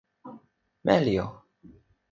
meli o!